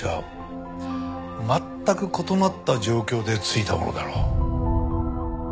全く異なった状況でついたものだろう。